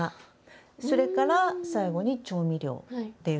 それから最後に調味料っていうふうになって。